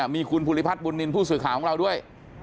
มีคุณภูริพัฒนบุญนินทร์ผู้สื่อข่าวของเราด้วย